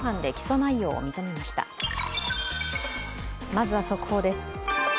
まずは速報です。